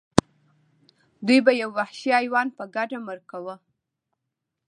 دوی به یو وحشي حیوان په ګډه مړه کاوه.